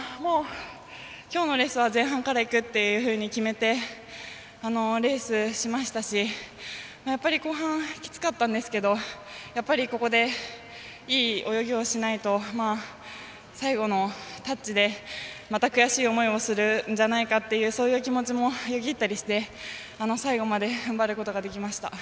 きょうのレースは前半からいくって決めてレースしましたし、後半きつかったんですけどやっぱり、ここでいい泳ぎをしないと最後のタッチで、また悔しい思いをするんじゃないかってそういう気持ちもよぎったりして最後までふんばることができました。